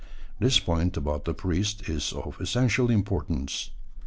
(This point about the priest is of essential importance.)